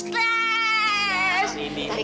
kamu mer ziemlich buang